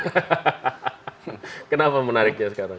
hahaha kenapa menariknya sekarang